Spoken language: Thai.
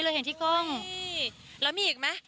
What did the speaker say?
แล้วมีอีกมั้ย